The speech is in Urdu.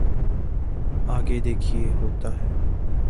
آگے دیکھئے ہوتا ہے۔